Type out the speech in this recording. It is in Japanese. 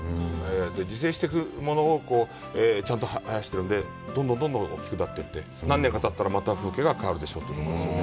自生しているものをちゃんと生やしてるので、どんどん大きくなっていって、何年かたったら、また風景が変わるでしょうと。